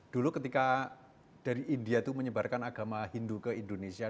dulu ketika dari india itu menyebarkan agama hindu ke indonesia